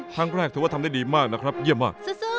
ถือว่าทำได้ดีมากนะครับเยี่ยมมาก